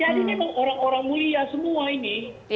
jadi memang orang orang mulia semua ini